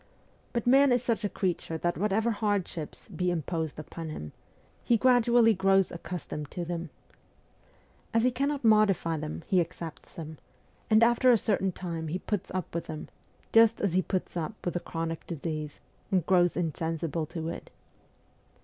But man is such a creature that whatever hardships be imposed upon him, he gradually grows accustomed WESTEEN EUROPE 271 to them. As he cannot modify them he accepts them, and after a certain time he puts up with them, just as he puts up with a chronic disease, and grows insensible to it.